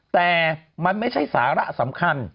แต่มันไม่ใช่สาระสำคัญ